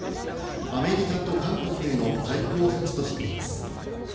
アメリカと韓国への対抗措置としています。